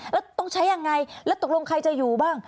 แล้วต้องใช้ยังไงแล้วตกลงใครจะอยู่บ้าง